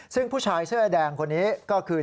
ซึ่งผู้ชายเสื้อแดงคนนี้ก็คือ